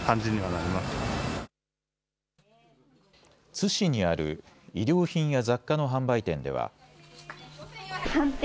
津市にある衣料品や雑貨の販売店では。